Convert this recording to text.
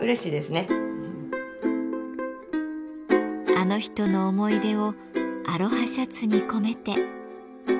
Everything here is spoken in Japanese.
あの人の思い出をアロハシャツに込めて。